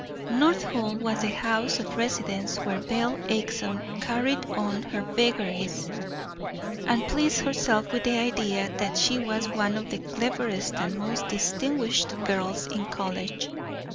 North Hall was the house of residence where Belle Acheson carried on her vagaries, and pleased herself with the idea that she was one of the cleverest and most distinguished girls in college.